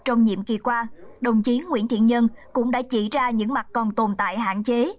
trong nhiệm kỳ qua đồng chí nguyễn thiện nhân cũng đã chỉ ra những mặt còn tồn tại hạn chế